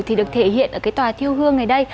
thì được thể hiện ở cái tòa thiêu hương này đây